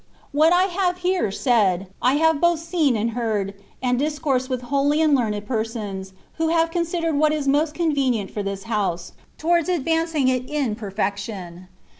What I have here said, I have both seen and heard, and discoursed with holy and learned per sons, who have considered what is most convenient for this house, towards advancing it in perfection. • Ayila. 28 THE WAY OP PERFECTION.